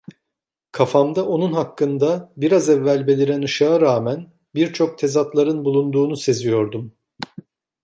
Kafamda onun hakkında, biraz evvel beliren ışığa rağmen, birçok tezatların bulunduğunu seziyordum.